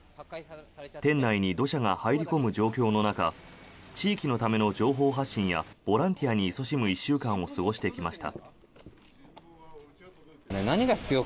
店内に土砂が入り込む状況の中地域のための情報発信やボランティアにいそしむ１週間を過ごしてきました。